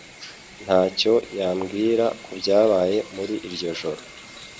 ntacyo yambwira kubyabaye muri iryo joro